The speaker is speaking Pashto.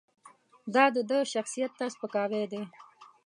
دا د ده شخصیت ته سپکاوی دی.